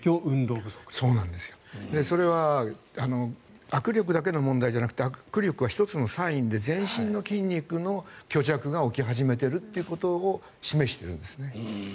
それは握力だけの問題じゃなくて握力は１つのサインで全身の筋肉の虚弱が起き始めているということを示しているんですね。